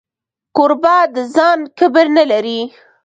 کوربه د ځان کبر نه لري.